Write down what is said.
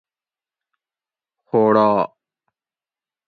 خوڑا